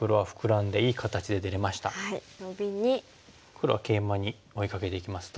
黒はケイマに追いかけていきますと。